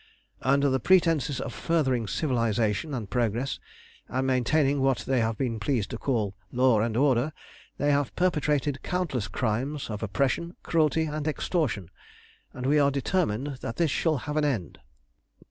"Under the pretences of furthering civilisation and progress, and maintaining what they have been pleased to call law and order, they have perpetrated countless crimes of oppression, cruelty, and extortion, and we are determined that this shall have an end.